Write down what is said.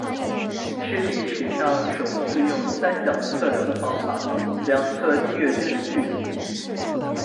是历史上首次用三角测量的方法量测地月间的距离。